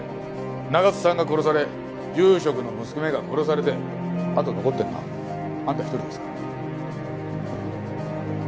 長津さんが殺され住職の娘が殺されてあと残ってるのはあんた一人ですから。